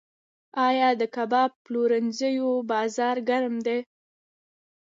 آیا د کباب پلورنځیو بازار ګرم دی؟